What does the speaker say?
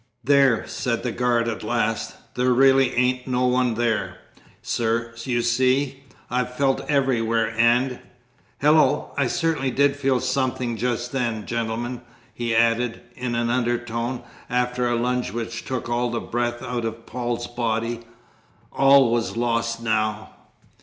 "There," said the guard at last; "there really ain't no one there, sir, you see. I've felt everywhere and Hello, I certainly did feel something just then, gentlemen!" he added, in an undertone, after a lunge which took all the breath out of Paul's body. All was lost now!